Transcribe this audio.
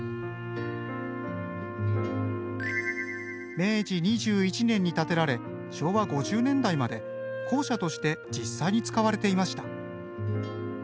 明治２１年に建てられ昭和５０年代まで校舎として実際に使われていました。